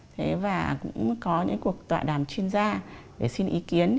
thế và cũng có những cuộc tọa đàm chuyên gia để xin ý kiến